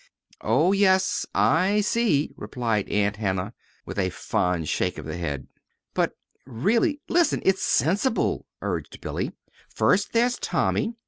"Oh, yes, I see," replied Aunt Hannah, with a fond shake of the head. "But, really, listen it's sensible," urged Billy. "First, there's Tommy.